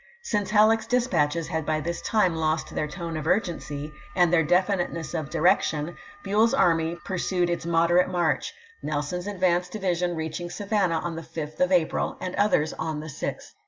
pp. 329, 330. Since Halleck's dispatches had by this time lost their tone of urgency, and their definiteness of di rection, Buell's army pursued its moderate march; Nelson's advance division reaching Savannah on the 5th of April, and others on the 6th.